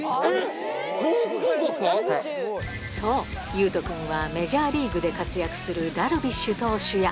侑隼くんはメジャーリーグで活躍するダルビッシュ投手